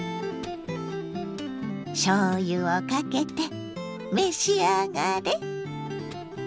しょうゆをかけて召し上がれ！